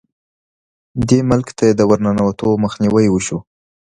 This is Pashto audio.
دې ملک ته یې د ورننوتو مخنیوی وشو.